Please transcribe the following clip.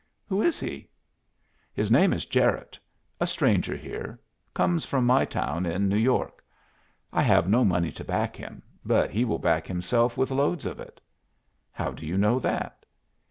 "Who is he?" "His name is Jarette a stranger here; comes from my town in New York. I have no money to back him, but he will back himself with loads of it." "How do you know that?"